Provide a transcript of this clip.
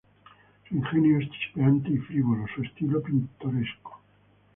Su ingenio es chispeante y frívolo, su estilo pintoresco.